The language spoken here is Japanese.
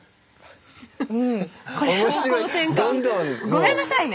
ごめんなさいね。